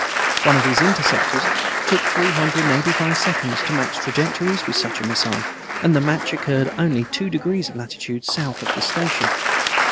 One of his interceptors took three hundred eighty five seconds to match trajectories with such a missile, and the match occurred only two degrees of latitude south of the station.